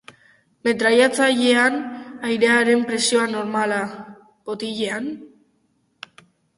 Metrailatzailea, airearen presioa normala, botiletan?